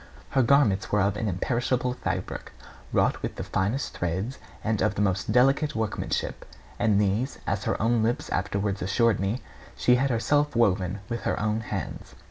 Her garments were of an imperishable fabric, wrought with the finest threads and of the most delicate workmanship; and these, as her own lips afterwards assured me, she had herself woven with her own hands.